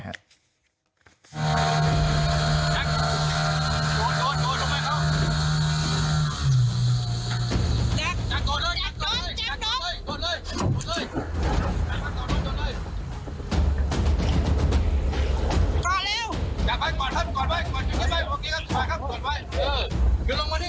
แจ๊คโดดนี่โดดนี่